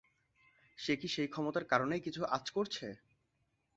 সে কি সেই ক্ষমতার কারণেই কিছু আঁচ করছে?